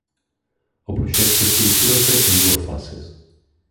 O proxecto estrutúrase en dúas fases: